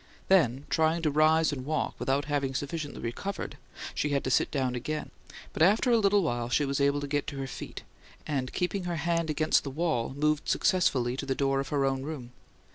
Then, trying to rise and walk, without having sufficiently recovered, she had to sit down again; but after a little while she was able to get upon her feet; and, keeping her hand against the wall, moved successfully to the door of her own room.